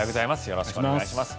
よろしくお願いします。